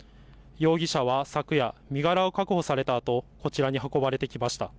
容疑者は昨夜、身柄を確保されたあと、こちらに運ばれてきました。